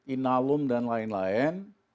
inalum dan lain lain